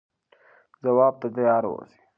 ځواب ته تیار اوسئ.